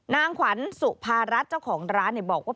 นางขวัญสุภารัฐเจ้าของร้านบอกว่า